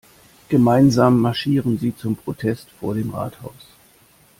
Gemeinsam marschieren sie zum Protest vor dem Rathaus.